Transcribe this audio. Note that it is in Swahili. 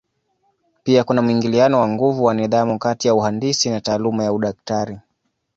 Pia kuna mwingiliano wa nguvu wa nidhamu kati ya uhandisi na taaluma ya udaktari.